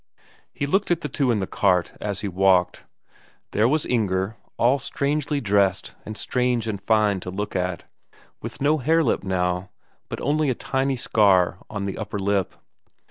He looked at the two in the cart as he walked. There was Inger, all strangely dressed and strange and fine to look at, with no hare lip now, but only a tiny scar on the upper lip.